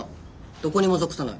どこにも属さない。